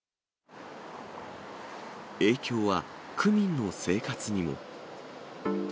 影響は区民の生活にも。